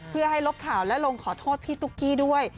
เพื่อให้ลบข่าวและลงขอโทษพี่ตุ๊กกี้ด้วย